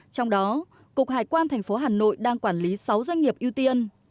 trong đó cục hải quan tp hà nội đang quản lý sáu doanh nghiệp ưu tiên